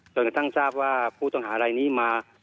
จนกระทั่งทราบว่าผู้ต้องหารายนี้มา